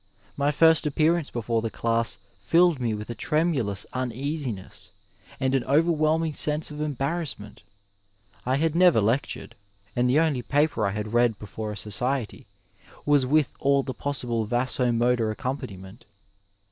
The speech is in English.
My first appearance before the class filled me with a tremulous uneasiness and an overwhelming sense of embarrassment; I had never lectured, and the only paper I had read before a society was with all the possible vaso motor accompani ment.